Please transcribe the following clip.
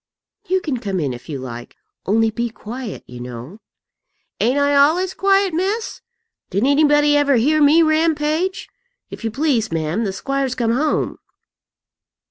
"You can come in if you like; only be quiet, you know." "Ain't I ollays quiet, miss? Did anybody ever hear me rampage? If you please, ma'am, the squire's come home."